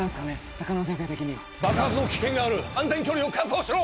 高輪先生的には爆発の危険がある安全距離を確保しろ！